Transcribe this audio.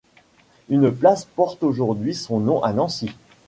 Une place porte aujourd'hui son nom à Nancy.